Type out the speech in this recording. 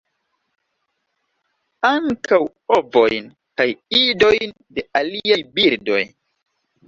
Ankaŭ ovojn kaj idojn de aliaj birdoj.